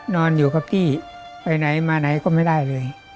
นอนอยู่กับที่ไปไหนมาไหนก็ไม่ได้เลย